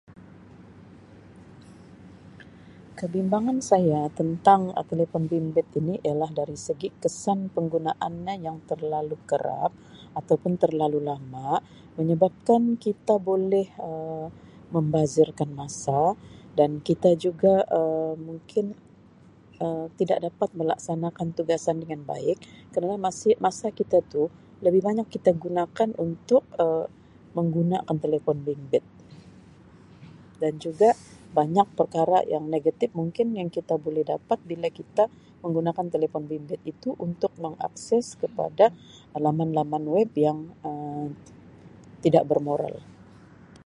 Kebimbangan saya tentang telefon bimbit ini ialah dari segi kesan penggunaanya yang terlalu kerap atau pun terlalu lama menyebabkan kita boleh Um membazirkan masa dan kita juga Um mungkin Um tidak dapat melaksanakan tugasan dengan baik kerana masi masa kita tu lebih banyak kita gunakan untuk Um menggunakan telefon bimbit dan juga banyak perkara yang negatif mungkin yang kita boleh dapat bila kita menggunakan telefon bimbit itu untuk mengakses kepada laman-laman web yang Um tidak bermoral.